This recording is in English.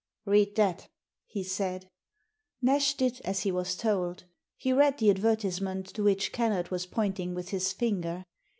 " Read that," he said Nash did as he was told ; he read the advertise ment to which Kennard was pointing with his finger.